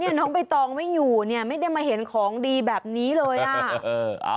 น้องใบตองไม่อยู่เนี่ยไม่ได้มาเห็นของดีแบบนี้เลยอ่ะ